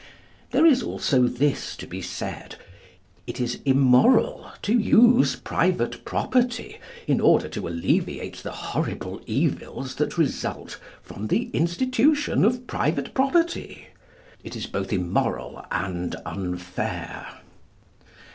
There is also this to be said. It is immoral to use private property in order to alleviate the horrible evils that result from the institution of private property. It is both immoral and unfair.